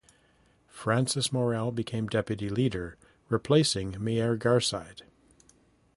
Frances Morrell became Deputy Leader, replacing Mair Garside.